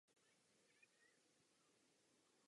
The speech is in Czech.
Vážený pane předsedající, vystupuji k úplně jiné záležitosti.